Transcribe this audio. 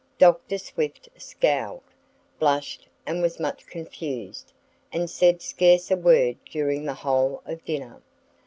The Doctor scowled, blushed, and was much confused, and said scarce a word during the whole of dinner.